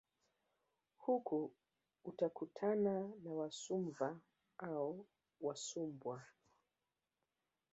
Huku utakutana na Wasumva au Wasumbwa